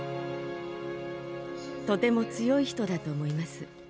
とても強い人だと思います。